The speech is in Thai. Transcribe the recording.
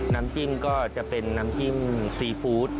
น้ำจิ้มก็จะเป็นน้ำจิ้มซีฟู้ด